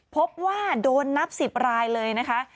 พบว่าโดนนับ๑๐รายเลยนะคะ